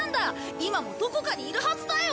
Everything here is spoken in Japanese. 今もどこかにいるはずだよ！